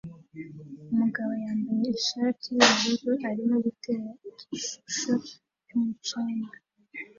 Umugabo wambaye ishati yubururu arimo gutera igishusho cyumucanga